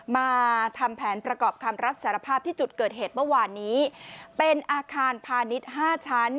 มาทำแผนประกอบคำรับสารภาพที่จุดเกิดเหตุเมื่อวานนี้เป็นอาคารพาณิชย์ห้าชั้น